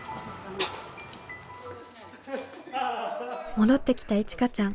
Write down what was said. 戻ってきたいちかちゃん。